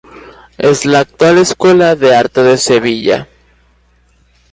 Es la actual Escuela de Arte de Sevilla.